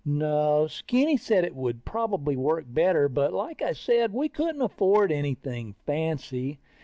No, Skinny said it would probably work better, but like I said, we couldn't afford anything fancy.